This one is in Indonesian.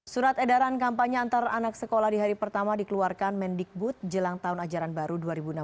surat edaran kampanye antar anak sekolah di hari pertama dikeluarkan mendikbud jelang tahun ajaran baru dua ribu enam belas